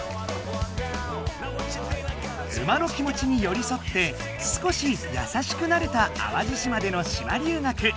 馬の気持ちによりそってすこし優しくなれた淡路島での島留学。